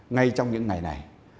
ngay trong những ngày này